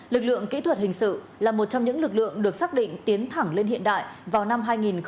lực lượng kỹ thuật hình sự là một trong những lực lượng được xác định tiến thẳng lên hiện đại vào năm hai nghìn hai mươi